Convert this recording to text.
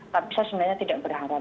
tapi saya sebenarnya tidak berharap